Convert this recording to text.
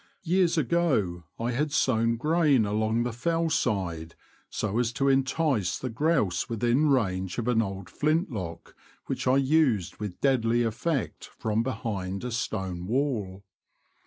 Years ago I had sown grain along the fell side so as to entice the grouse within range of an old flint lock which I used with deadly effect from behind a stone wall.